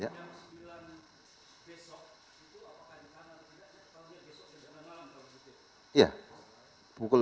yang sembilan besok itu apakah di kanan atau di belakang